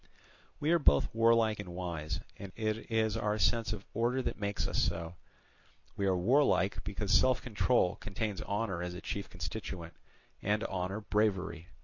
We are both warlike and wise, and it is our sense of order that makes us so. We are warlike, because self control contains honour as a chief constituent, and honour bravery.